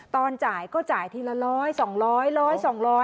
ตอนจ่ายก็จ่ายทีละร้อย๒๐๐๒๐๐